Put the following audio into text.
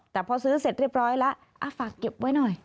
แต่พอซื้อเสร็จเรียบร้อยแล้วฝากเก็บไว้หน่อย